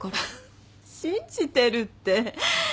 信じてるって。